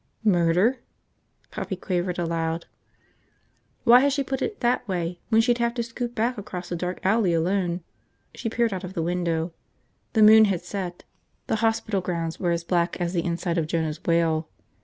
... "Murder?" Poppy quavered aloud. Why had she put it that way when she'd have to scoot back across the dark alley alone! She peered out of the window. The moon had set. The hospital grounds were as black as the inside of Jonah's whale.